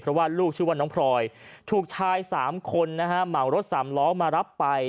เพราะว่าลูกชื่อว่าน้องพลอยถูกชาย๓คนนะฮะเหมารถสามล้อมารับไป